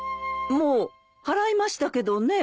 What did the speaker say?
もう払いましたけどねえ。